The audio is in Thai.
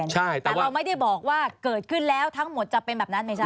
แต่เราไม่ได้บอกว่าเกิดขึ้นแล้วทั้งหมดจะเป็นแบบนั้นไม่ใช่